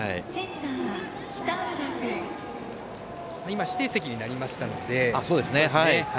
今、指定席になりましたので。